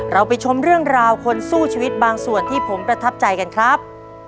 เราไปชมเรื่องราวคนสู้ชีวิตบางส่วนที่ผมประทับใจกันครับ